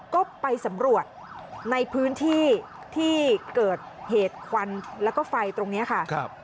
ก็ไปสำรวจในพื้นที่ที่เกิดเหตุควันแล้วก็ไฟตรงนี้ค่ะ